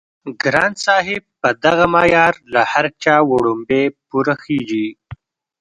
ګران صاحب په دغه معيار له هر چا وړومبی پوره خيژي